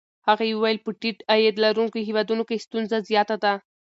هغې وویل په ټیټ عاید لرونکو هېوادونو کې ستونزه زیاته ده.